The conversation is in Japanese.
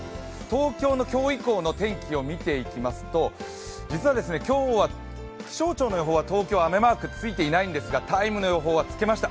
東京の今日以降の天気を見ていきますと実は今日は気象庁の予報は東京雨マーク付いていないんですが「ＴＨＥＴＩＭＥ，」の予報はつけました。